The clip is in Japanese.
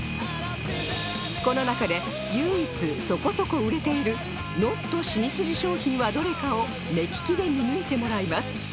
この中で唯一そこそこ売れている ＮＯＴ シニスジ商品はどれかを目利きで見抜いてもらいます